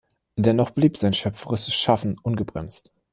Dennoch blieb sein schöpferisches Schaffen ungebremst.